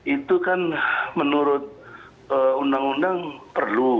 itu kan menurut undang undang perlu